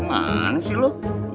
gimana sih lu